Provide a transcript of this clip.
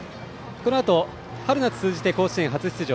このあと春夏通じて甲子園初出場